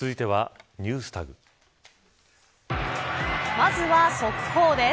まずは速報です。